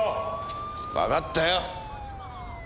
わかったよ。